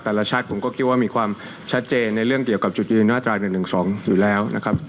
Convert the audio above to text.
แต่ละชาติผมก็คิดว่ามีความชัดเจนในเรื่องเกี่ยวกับจุดยืนมาตรา๑๑๒อยู่แล้วนะครับ